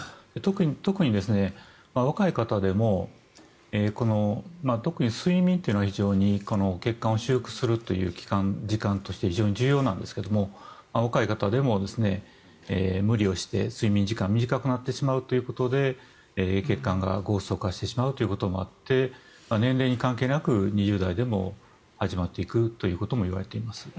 特に若い方でも特に睡眠というのは血管を修復する時間として非常に重要なんですけども若い方でも、無理をして睡眠時間が短くなってしまうということで血管がゴースト化してしまうということもあって年齢に関係なく２０代でも始まっていくということもいわれています。